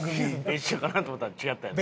別所かなと思ったら違ったやん。